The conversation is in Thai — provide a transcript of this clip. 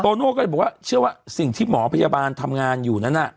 โน่ก็เลยบอกว่าเชื่อว่าสิ่งที่หมอพยาบาลทำงานอยู่นั้น